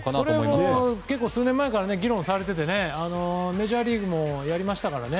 それは数年前から議論されていてメジャーリーグもやりましたから。